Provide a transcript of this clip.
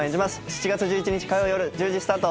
７月１１日火曜よる１０時スタート